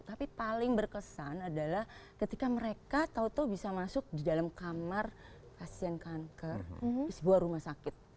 tapi paling berkesan adalah ketika mereka tau tau bisa masuk di dalam kamar pasien kanker di sebuah rumah sakit